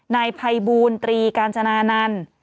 นายภัยบูลตรีกาญจนานันต์